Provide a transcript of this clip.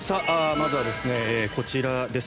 まずはこちらです。